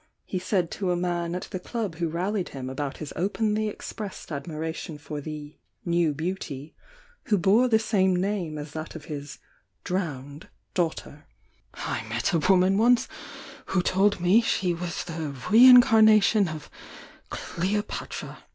he said to a man at the Club who rallied him about his openly expressed admira tion for the "new beauty" who bore the same name as that of his "drowned" daughter— "I met a woman I 850 THE YOUNG DIANA E\ ■ 9' 1 m 1 j n ' once who told me she was the reincarnation of Cleo patra!